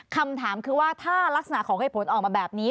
คำถามคือว่าถ้ารักษณะของให้ผลออกมาแบบนี้